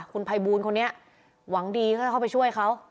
คุณภัยบูลคนนี้หวังดีก็จะเข้าไปช่วยเขา